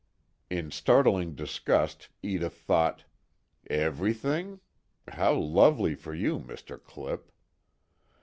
In startled disgust Edith thought: _Everything? How lovely for you, Mr. Clipp!